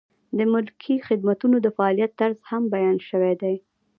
د ملکي خدمتونو د فعالیت طرز هم بیان شوی دی.